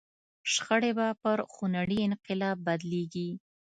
شخړې به پر خونړي انقلاب بدلېږي.